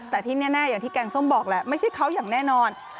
แต่ที่แน่อย่างที่แกงส้มบอกแหละไม่ใช่เขาอย่างแน่นอน